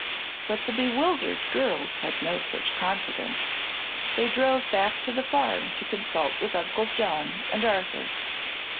But the bewildered girls had no such confidence. They drove back to the farm to consult with Uncle John and Arthur.